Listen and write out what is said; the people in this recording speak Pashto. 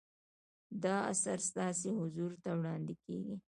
دا اثر ستاسو حضور ته وړاندې کیږي.